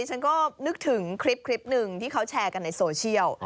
ฉันก็นึกถึงคลิปหนึ่งที่เขาแชร์กันในโซเชียล